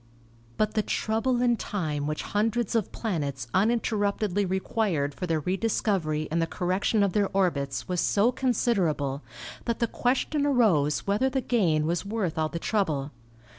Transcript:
But the trouble and time which hundreds of planets un interruptedly required for their rediscovery and the cor rection of their orbits was so considerable that the ques tion arose whether the gain was worth all the trouble.